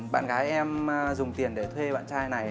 bạn gái em dùng tiền để thuê bạn trai này